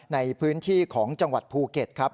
ในพื้นที่ของจังหวัดภูเก็ตครับ